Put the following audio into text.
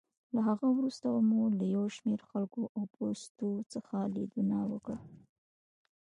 له هغه وروسته مو له یو شمېر خلکو او پوستو څخه لېدنه وکړه.